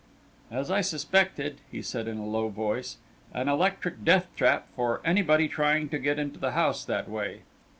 "As I suspected," he said in a low voice, "an electric death trap for anybody trying to get into the house that way.